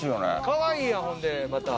かわいいやんほんでまた。